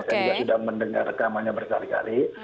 kita sudah mendengar rekamannya berkali kali